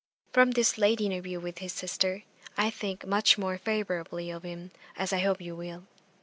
From this late interview with his sister, I think much more favourably of him, as I hope you will.